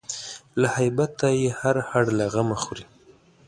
له هیبته یې هر هډ له غمه خوري